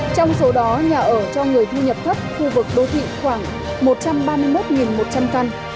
trong số đó nhà ở cho người thu nhập thấp khu vực đô thị khoảng một trăm ba mươi một một trăm linh căn